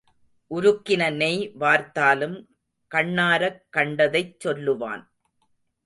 உருக்கின நெய் வார்த்தாலும் கண்ணாரக் கண்டதைத் சொல்லுவான்.